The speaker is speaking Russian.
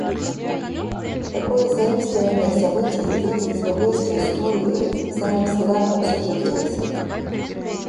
Такое заимствование событий и лиц из библейской истории, самый взгляд на всё житейское.